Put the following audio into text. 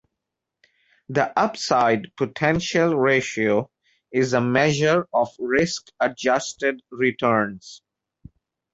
The Upside-Potential Ratio is a measure of risk-adjusted returns.